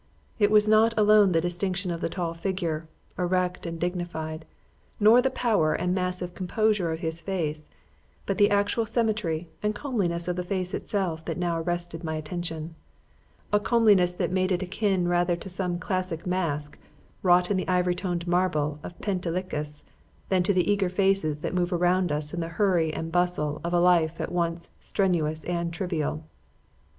It was not alone the distinction of the tall figure, erect and dignified, nor the power and massive composure of his face, but the actual symmetry and comeliness of the face itself that now arrested my attention; a comeliness that made it akin rather to some classic mask, wrought in the ivory toned marble of Pentelicus, than to the eager faces that move around us in the hurry and bustle of a life at once strenuous and trivial.